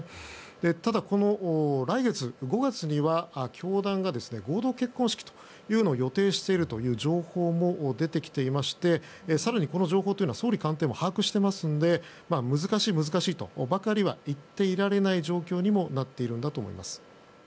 ただ、来月５月には教団が合同結婚式というのを予定しているという情報も出てきていまして更にこの情報というのは総理官邸も把握してますので難しい、難しいとばかりは言ってられない状況にもなっているんだと思います。